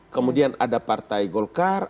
kemudian ada partai golkar